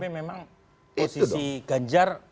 memang posisi ganjar